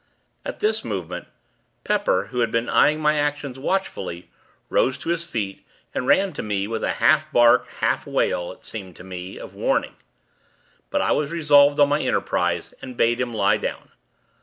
At this movement, Pepper, who had been eyeing my actions, watchfully, rose to his feet, and ran to me, with a half bark, half wail, it seemed to me, of warning. But I was resolved on my enterprise, and bade him lie down.